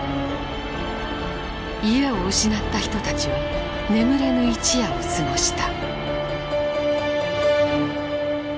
家を失った人たちは眠れぬ一夜を過ごした。